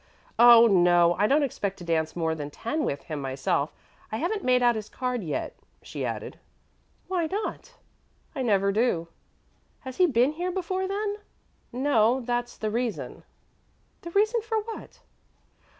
"Oh, no; I don't expect to dance more than ten with him myself I haven't made out his card yet," she added. "Why not?" "I never do." "Has he been here before, then?" "No; that's the reason." "The reason for what?"